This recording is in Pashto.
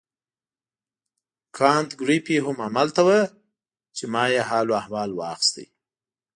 کانت ګریفي هم همالته وو چې ما یې حال و احوال واخیست.